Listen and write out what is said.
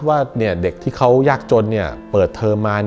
ว่าเด็กที่เขายากจนเปิดเทอมมา